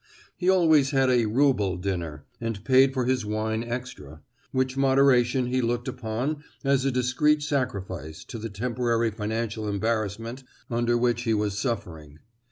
He always had a rouble(1) dinner, and paid for his wine extra, which moderation he looked upon as a discreet sacrifice to the temporary financial embarrassment under which he was suffering.